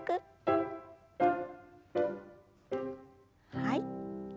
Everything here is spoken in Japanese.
はい。